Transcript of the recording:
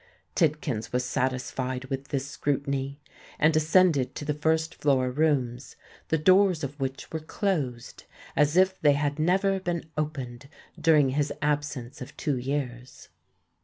Tidkins was satisfied with this scrutiny, and ascended to the first floor rooms, the doors of which were closed—as if they had never been opened during his absence of two years.